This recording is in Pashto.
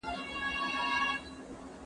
که ميرمن له خپل حقه تيره سي نو ثواب لري؟